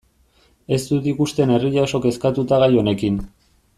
Ez dut ikusten herria oso kezkatuta gai honekin.